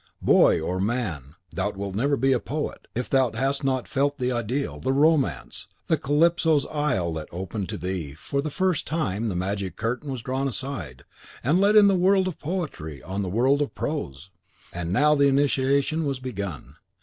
Boy or man, thou wilt never be a poet, if thou hast not felt the ideal, the romance, the Calypso's isle that opened to thee when for the first time the magic curtain was drawn aside, and let in the world of poetry on the world of prose! And now the initiation was begun.